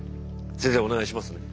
先生お願いしますね。